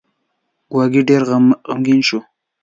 ګواکې ډېر غمګین شو.